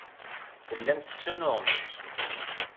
Tellam tessunuɣem zik.